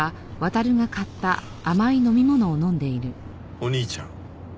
「お兄ちゃん」